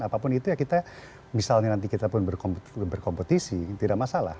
apapun itu ya kita misalnya nanti kita pun berkompetisi tidak masalah